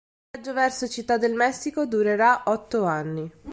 Il viaggio verso Città del Messico durerà otto anni.